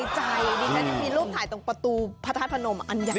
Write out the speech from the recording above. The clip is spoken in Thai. ดิฉันยังมีรูปถ่ายตรงประตูพระธาตุพนมอันใหญ่